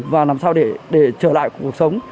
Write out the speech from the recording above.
và làm sao để trở lại cuộc sống